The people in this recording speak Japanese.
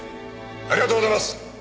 ありがとうございます！